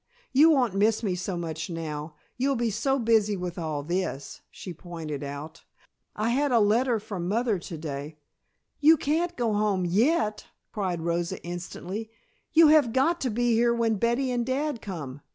"You won't miss me so much now, you'll be so busy with all this," she pointed out. "I had a letter from mother today " "You can't go home yet," cried Rosa instantly. "You have got to be here when Betty and Dad come.